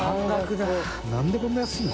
なんでこんな安いの？